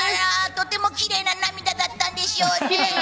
とてもきれいな涙だったんでしょうね。